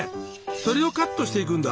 それをカットしていくんだ。